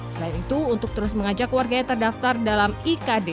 selain itu untuk terus mengajak warga yang terdaftar dalam ikd